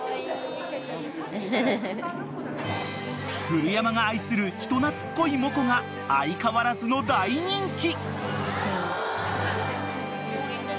［古山が愛する人懐っこいモコが相変わらずの大人気］